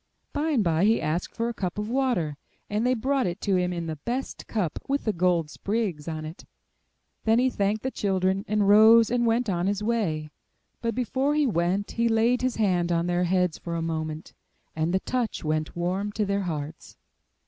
By and by he asked for a cup of water, and they brought it to him in the best cup, with the gold sprigs on it; then he thanked the children, and rose and went on his way; but before he went he laid his hand on their heads for a moment, and the touch went warm to their hearts.